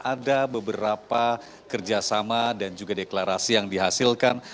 ada beberapa kerjasama dan juga deklarasi yang dihasilkan